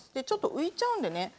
ちょっと浮いちゃうんでね